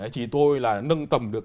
chỉ tôi là nâng tầm được